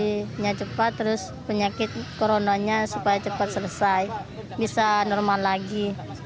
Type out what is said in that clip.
kondisinya cepat terus penyakit coronanya supaya cepat selesai bisa normal lagi